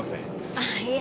あいいえ。